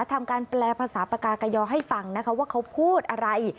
ทำการแปลภาษาปากากยอให้ฟังนะคะว่าเขาพูดอะไร